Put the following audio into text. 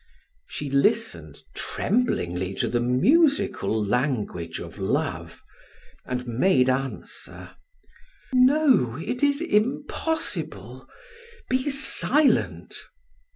She listened tremblingly to the musical language of love, and made answer: "No, it is impossible. Be silent!"